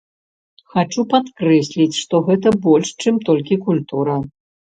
Хачу падкрэсліць, што гэта больш, чым толькі культура.